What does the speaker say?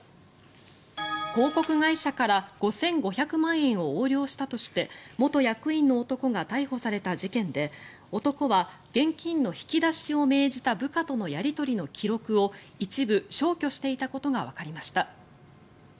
広告会社から５５００万円を横領したとして元役員の男が逮捕された事件で男は現金の引き出しを命じた部下とのやり取りの記録を一部消去していたことがわかりました。